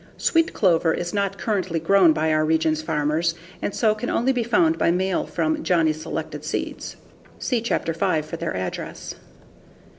Sweet clover is not currently grown by our region's farmers and so can only be found by mail from Johnny's Selected Seeds (see Chapter 5 for their address).